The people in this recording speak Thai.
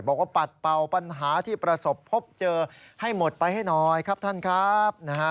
ปัดเป่าปัญหาที่ประสบพบเจอให้หมดไปให้หน่อยครับท่านครับนะฮะ